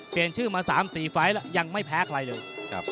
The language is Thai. เปลี่ยนชื่อมา๓๔ไฟล์แล้วยังไม่แพ้ใครเลย